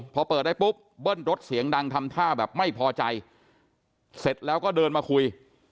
พอเปิดได้ปุ๊บเบิ้ลรถเสียงดังทำท่าแบบไม่พอใจเสร็จแล้วก็เดินมาคุย